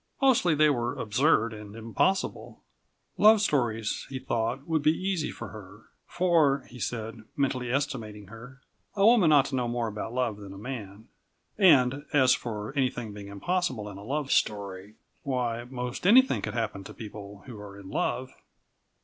Mostly they were absurd and impossible. Love stories, he thought, would be easy for her. For he said, mentally estimating her a woman ought to know more about love than a man. And as for anything being impossible in a love story. Why most anything could happen to people who are in love.